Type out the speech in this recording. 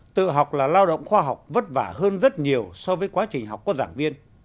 tự học là lao động khoa học vất vả hơn rất nhiều so với quá trình học của giảng viên